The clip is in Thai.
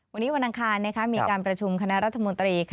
วันนี้วันอังคารมีการประชุมคณะรัฐมนตรี